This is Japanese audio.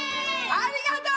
ありがとう！